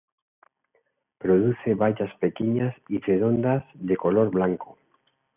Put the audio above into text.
Produce bayas pequeñas y redondas de color blanco.